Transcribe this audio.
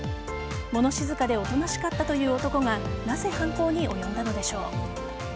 物静かでおとなしかったという男がなぜ犯行に及んだのでしょう。